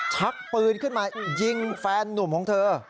ชักปืนขึ้นมายิงแฟนนุ่มของเธอ